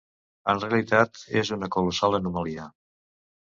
En realitat, és una colossal anomalia.